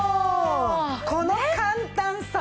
この簡単さ。